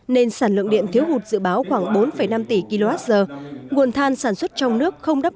nên sản lượng điện thiếu hụt dự báo khoảng bốn năm tỷ kwh nguồn than sản xuất trong nước không đáp